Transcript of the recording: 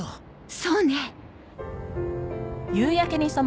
そうね。